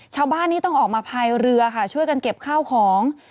ชาวบ้านนี้ต้องออกมาภายเรือค่ะช่วยกันเก็บข้าวของ